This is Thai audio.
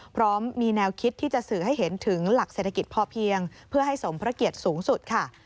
พร้อมมีแนวคิดที่จะสื่อให้เห็นถึงหลักเศรษฐกิจพอเพียงเพื่อให้สมพระเกียรติสูงสุดค่ะ